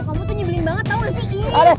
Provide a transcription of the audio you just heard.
kamu tuh nyebelin banget tau gak sih